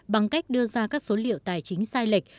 bằng cách đưa ra các số liệu tài chính sai lệch